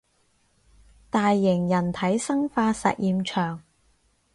大型人體生化實驗場